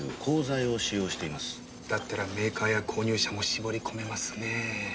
だったらメーカーや購入者も絞り込めますね。